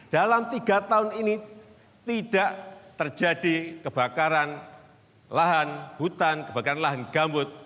dalam tiga tahun ini tidak terjadi kebakaran lahan hutan kebakaran lahan gambut